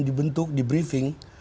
dibentuk di briefing